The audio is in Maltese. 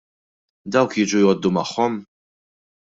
Dawk jiġu jgħoddu magħhom?